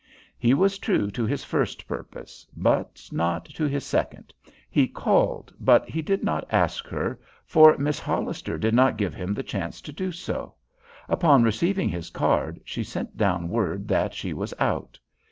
He was true to his first purpose, but not to his second. He called, but he did not ask her, for Miss Hollister did not give him the chance to do so. Upon receiving his card she sent down word that she was out.